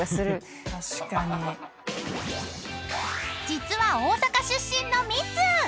［実は大阪出身のミッツー］